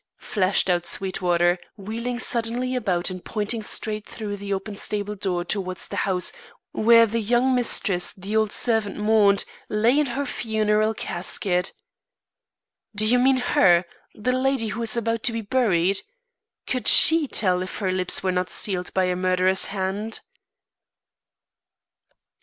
flashed out Sweetwater, wheeling suddenly about and pointing straight through the open stable door towards the house where the young mistress the old servant mourned, lay in her funeral casket. "Do you mean her the lady who is about to be buried? Could she tell if her lips were not sealed by a murderer's hand?"